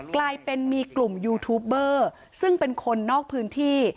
กลายเป็นมีกลุ่มยูทูปเบอร์ซึ่งเป็นคนนอกพื้นที่